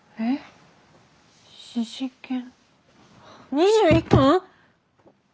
２１巻！